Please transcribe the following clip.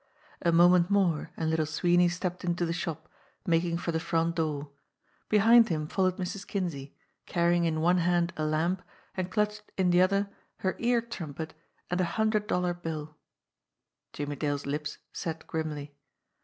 A moment more and Little Sweeney stepped into the shop, making for the front door; behind him followed Mrs. Kinsey, carrying in one hand a lamp, and clutched in the other her ear trumpet and a hun dred dollar bill. Jimmie Dale's lips set grimly.